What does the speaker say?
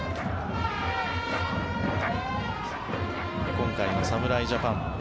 今回の侍ジャパン